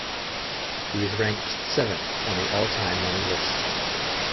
He is ranked seventh on the all-time money list.